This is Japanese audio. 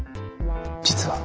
実は。